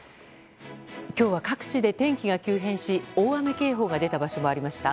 今日は各地で天気が急変し大雨警報が出た場所もありました。